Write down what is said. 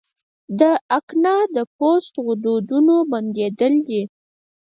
د اکنه د پوست غدودونو بندېدل دي.